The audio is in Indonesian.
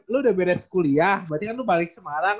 lo udah beres kuliah berarti kan lu balik semarang